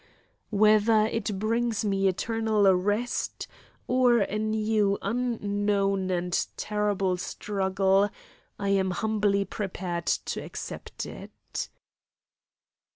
Whether it brings me eternal rest or a new unknown and terrible struggle, I am humbly prepared to accept it.